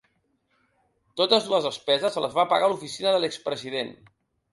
Totes dues despeses les va pagar l’oficina de l’ex-president.